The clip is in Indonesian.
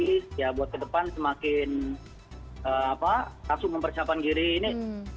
jadi ya buat ke depan semakin langsung mempersiapkan diri ini